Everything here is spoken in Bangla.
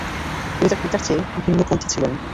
তিনি তার পিতার চেয়ে ভিন্নপন্থি ছিলেন।